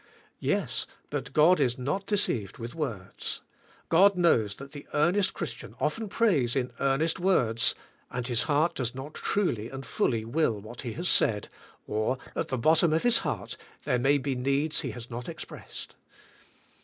Yes, but God is not deceived with words. God knows that the earnest Christian often prays in earnest words, and his heart does not truly and fully will what he has said, or, at the bot tom of his heart, there may be needs he has not ex pressed.